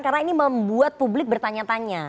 karena ini membuat publik bertanya tanya